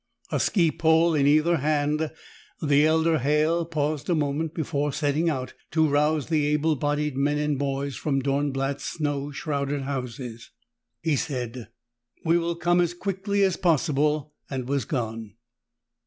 A ski pole in either hand, the elder Halle paused a moment before setting out to rouse the able bodied men and boys from Dornblatt's snow shrouded houses. He said, "We will come as quickly as possible," and was gone.